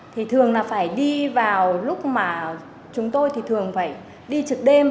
thì thường là phải đi vào lúc mà chúng tôi thì thường phải đi trực đêm